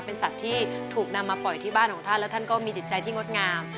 เป็นสัตว์ที่ถูกนำมาปล่อยที่บ้านของท่านแล้วท่านก็มีจิตใจที่งดงาม